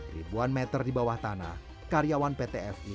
ribuan meter di bawah tanah karyawan pt fi